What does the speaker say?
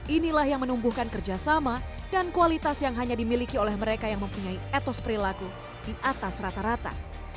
inilah yang menumbuhkan kerjasama dan kualitas yang hanya dimiliki oleh mereka yang mempunyai etos perilaku di atas rata rata